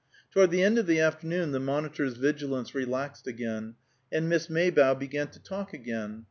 Toward the end of the afternoon the monitor's vigilance relaxed again, and Miss Maybough began to talk again.